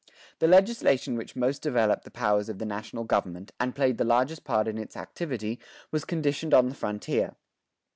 The legislation which most developed the powers of the national government, and played the largest part in its activity, was conditioned on the frontier.